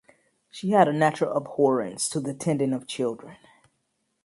She had a natural abhorrence to the tending of children.